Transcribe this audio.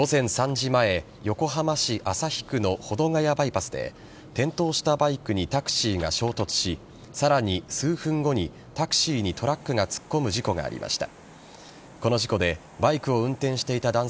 午前３時前横浜市旭区の保土ヶ谷バイパスで転倒したバイクにタクシーが衝突しさらに、数分後にタクシーにトラックが突っ込む事故がありました。